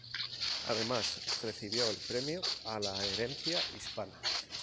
Además recibió el "Premio a la Herencia Hispana".